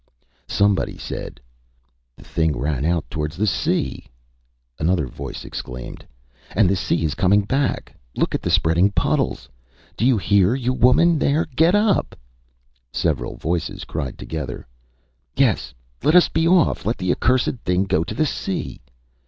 Somebody said: ÂThe thing ran out towards the sea.Â Another voice exclaimed: ÂAnd the sea is coming back! Look at the spreading puddles. Do you hear you woman there! Get up!Â Several voices cried together. ÂYes, let us be off! Let the accursed thing go to the sea!